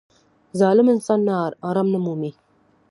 • ظالم انسان آرام نه مومي.